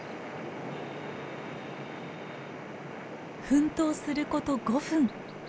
奮闘すること５分。